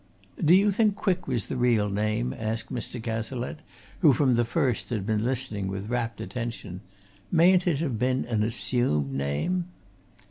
"Do you think Quick was the real name?" asked Mr. Cazalette, who from the first had been listening with rapt attention. "Mayn't it have been an assumed name?"